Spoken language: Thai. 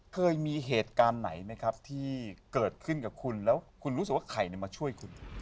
เคยมีเหตุการณ์ไหนไหมครับที่เกิดขึ้นกับคุณแล้วคุณรู้สึกว่าใครมาช่วยคุณ